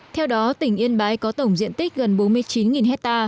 theo đó tỉnh yên bái có tổng diện tích gần bốn mươi chín ha